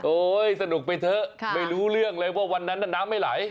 สนุกไปเถอะไม่รู้เรื่องเลยว่าวันนั้นน่ะน้ำไม่ไหล